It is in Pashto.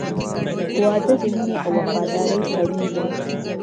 • واده د مینې او وفادارۍ تړون دی.